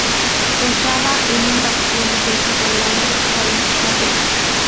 Pensaba en un bastión defensivo Londres-París-Madrid.